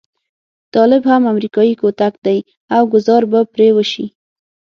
طالب هم امريکايي کوتک دی او ګوزار به پرې وشي.